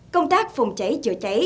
công tác phòng chảy chữa chảy